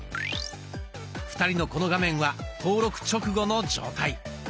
２人のこの画面は登録直後の状態。